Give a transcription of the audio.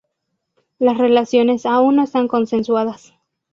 Las relaciones aún no están consensuadas.